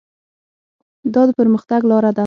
دا د پرمختګ لاره ده.